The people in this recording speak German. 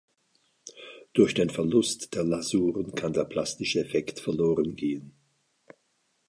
Durch den Verlust der Lasuren kann der plastische Effekt verlorengehen.